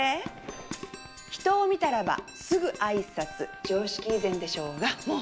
「人を見たらばすぐあいさつ」常識以前でしょうがもう！